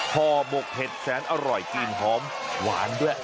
ห่อหมกเห็ดแสนอร่อยกลิ่นหอมหวานด้วย